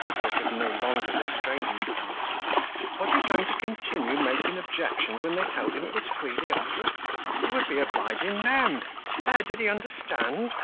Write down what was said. Coupeau could no longer restrain himself. Was he going to continue making objections when they told him it was freely offered? He would be obliging them. There, did he understand?